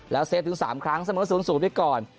แล้วเซฟถึง๓ครั้งเสมอ๐๐ไปก่อน